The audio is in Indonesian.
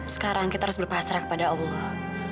sekarang kita harus berpasrah kepada allah